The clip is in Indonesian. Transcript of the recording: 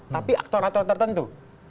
tapi aktor aktor tertentu